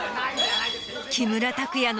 木村拓哉の。